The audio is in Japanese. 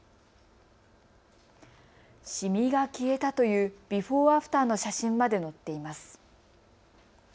シミが消えたというビフォーアフターの写真まで載っています。